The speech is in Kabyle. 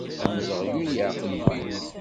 Amzeɣyul yeɛqel gma-s.